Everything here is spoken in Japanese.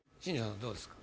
どうですか？